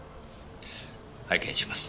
拝見します。